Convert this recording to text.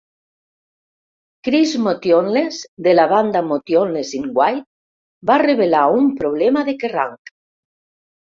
Chris Motionless, de la banda Motionless in White, va revelar un problema de Kerrang.